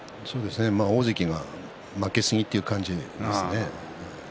大関が負けすぎという感じですね。